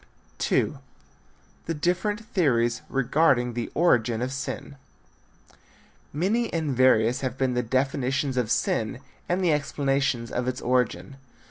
II. THE DIFFERENT THEORIES REGARDING THE ORIGIN OF SIN. Many and various have been the definitions of sin and the explanations of its origin.